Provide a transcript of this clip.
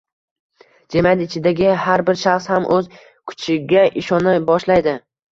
Jamiyat ichidagi har bir shaxs ham o‘z kuchiga ishona boshlaydi